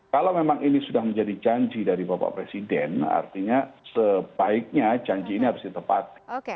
kalau memang ini sudah menjadi janji dari bapak presiden artinya sebaiknya janji ini harus ditepati